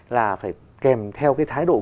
là phải kèm theo cái thái độ